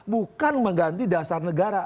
bukan mengganti dasar negara